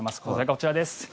こちらです。